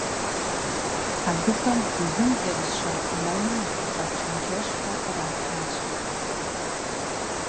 Абыхэм бгым зэрызыщахъумэным ехьэлӀа чэнджэщхэр къратащ.